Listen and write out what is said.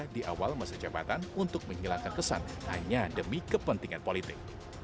di awal masa jabatan untuk menghilangkan kesan hanya demi kepentingan politik